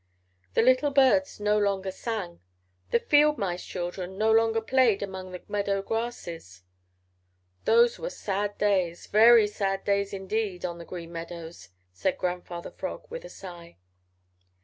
The little birds no longer sang. The Fieldmice children no longer played among the meadow grasses. Those were sad days, very sad days indeed on the Green Meadows," said Grandfather Frog, with a sigh.